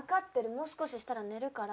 もう少ししたら寝るから。